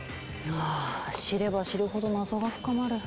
あぁ知れば知るほど謎が深まる。